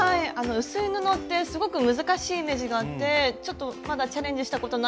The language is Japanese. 薄い布ってすごく難しいイメージがあってちょっとまだチャレンジしたことないんですけど。